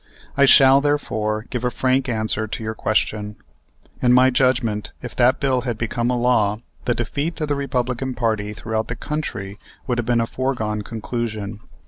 I shall, therefore, give a frank answer to your question. In my judgment, if that bill had become a law the defeat of the Republican party throughout the country would have been a foregone conclusion.